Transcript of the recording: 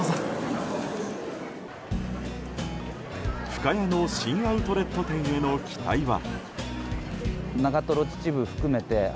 深谷の新アウトレット店への期待は。